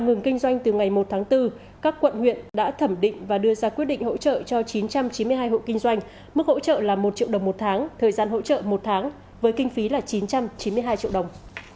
ngừng kinh doanh từ ngày một tháng bốn các quận huyện đã thẩm định và đưa ra quyết định hỗ trợ cho chín trăm chín mươi hai hộ kinh doanh mức hỗ trợ là một triệu đồng một tháng thời gian hỗ trợ một tháng với kinh phí là chín trăm chín mươi hai triệu đồng